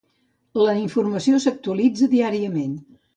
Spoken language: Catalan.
La informació s'actualitza diàriament.